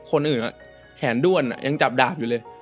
คนอื่นแขนด้วนยังจับดาบอยู่เลย